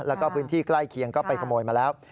แล้วก็พื้นที่ใกล้เคียงก็ไปขโมยมาแล้ว